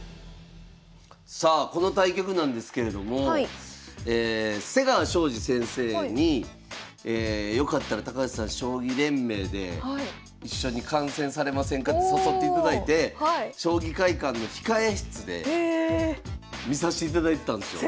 さあこの対局なんですけれども瀬川晶司先生に「よかったら高橋さん将棋連盟で一緒に観戦されませんか」って誘っていただいて将棋会館の控え室で見さしていただいてたんですよ。